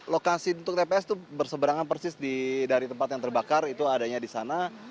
lokasi untuk tps itu berseberangan persis dari tempat yang terbakar itu adanya di sana